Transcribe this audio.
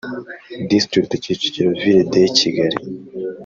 District Kicukiro Ville de Kigali